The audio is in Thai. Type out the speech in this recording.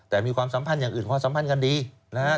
แต่มีความสัมพันธ์อย่างอื่นความสัมพันธ์กันดีนะครับ